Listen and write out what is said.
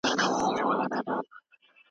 ادي څنګه یې.